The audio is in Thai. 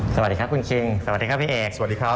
สวัสดีครับคุณคิงสวัสดีครับพี่เอกสวัสดีครับ